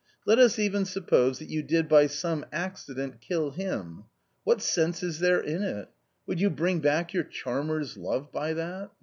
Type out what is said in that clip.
Let us even suppose that you did by some accident kill him — what sense is there in it ? would you bring back your charmer's love by that?